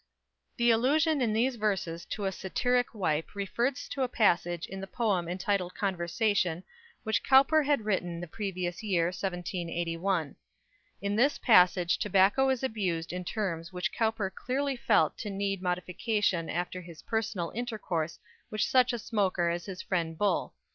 _ The allusion in these verses to a "satiric wipe" refers to a passage in the poem entitled "Conversation," which Cowper had written in the previous year, 1781. In this passage tobacco is abused in terms which Cowper clearly felt to need modification after his personal intercourse with such a smoker as his friend Bull.